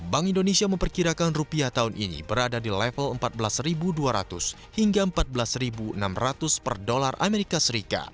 bank indonesia memperkirakan rupiah tahun ini berada di level empat belas dua ratus hingga empat belas enam ratus per dolar as